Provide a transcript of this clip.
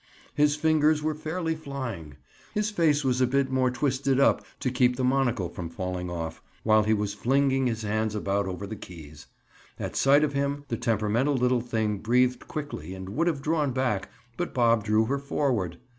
His fingers were fairly flying; his face was a bit more twisted up to keep the monocle from falling off, while he was flinging his hands about over the keys. At sight of him, the temperamental little thing breathed quickly and would have drawn back, but Bob drew her forward.